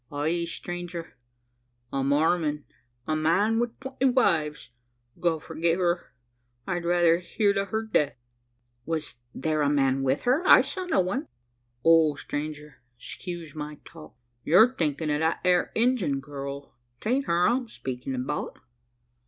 "Ay, stranger, a Mormon a man wi' twenty wives! God forgi' her! I'd rather heerd o' her death!" "Was there a man with her? I saw no one." "O stranger, excuse my talk you're thinkin' o' that ere Injun girl. 'Taint her I'm speakin' about."